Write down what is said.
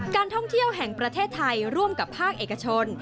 การท่องเที่ยวแห่งประเทศไทยร่วมกับภาคเอกชน